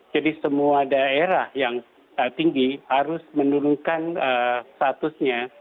jadi semua daerah yang tinggi harus menurunkan statusnya